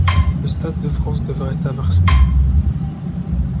Le stade de France devrait être à Marseille.